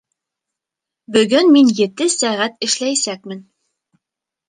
Бөгөн мин ете сәғәт эшләйәсәкмен.